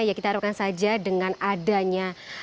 ya kita harapkan saja dengan adanya